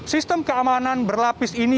sistem keamanan berlapis ini